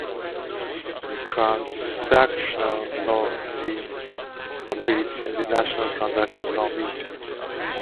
The Transactional Law Team competes in the National Transactional Law Meet.